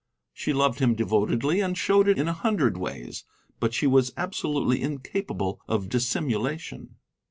She loved him devotedly and showed it in a hundred ways, but she was absolutely incapable of dissimulation.